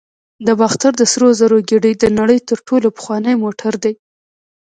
د باختر د سرو زرو ګېډۍ د نړۍ تر ټولو پخوانی موټر دی